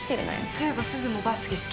そういえばすずもバスケ好きだよね？